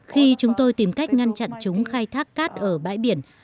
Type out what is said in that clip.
khi chúng tôi tìm cách ngăn chặn chúng khai thác cát ở bãi biển